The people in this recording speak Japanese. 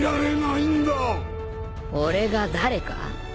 俺が誰か？